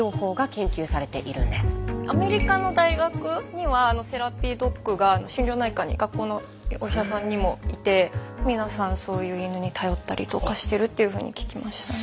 アメリカの大学にはセラピードッグが心療内科に学校のお医者さんにもいて皆さんそういう犬に頼ったりとかしてるっていうふうに聞きましたね。